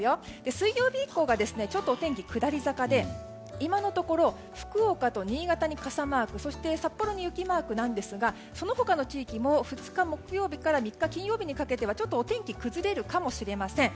水曜日以降がちょっとお天気が下り坂で今のところ福岡と新潟に傘マークそして札幌に雪マークですがその他の地域も２日木曜日から３日金曜日にかけてお天気が崩れるかもしれません。